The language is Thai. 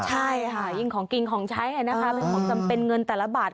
ใช่อิงของกินของใช้อิงของจำเป็นเงินแต่ละบาท